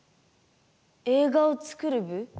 「映画を作る部」？